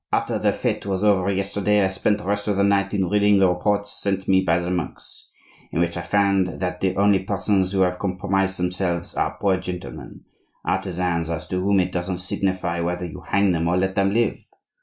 "After the fete was over yesterday I spent the rest of the night in reading the reports sent me by the monks; in which I found that the only persons who have compromised themselves are poor gentlemen, artisans, as to whom it doesn't signify whether you hang them or let them live.